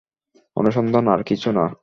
অনুসন্ধান আর কিছু না।